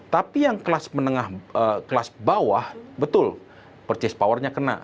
tapi yang kelas bawah betul purchase powernya kena